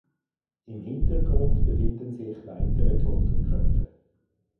Im Hintergrund befinden sich weitere Totenköpfe.